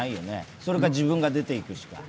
それか自分が出ていくしか。